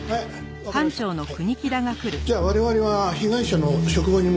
じゃあ我々は被害者の職場に向かいましょう。